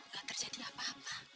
gak terjadi apa apa